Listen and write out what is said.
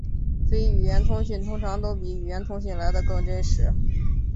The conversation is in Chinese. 非语言讯息通常都比语言讯息来得真实。